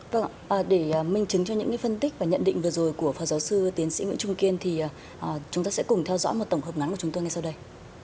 vâng ạ để minh chứng cho những phân tích và nhận định vừa rồi của phó giáo sư tiến sĩ nguyễn trung kiên thì chúng ta sẽ cùng theo dõi một tổng hợp ngắn của chúng tôi ngay sau đây